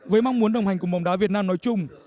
với mong muốn đồng hành cùng bóng đá việt nam nói chung